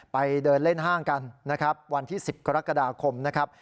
ไปเดินเล่นห้างกันนะครับวันที่๑๐กรกฎาคมนะครับ